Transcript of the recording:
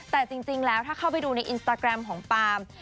แต่จริงแล้วถ้าเข้าไปดูในอินสตาแกรมของปาล์ม